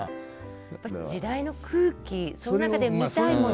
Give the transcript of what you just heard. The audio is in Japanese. やっぱり時代の空気その中で見たいもの。